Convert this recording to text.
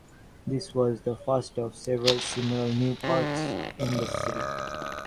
This was the first of several similar new parks in the city.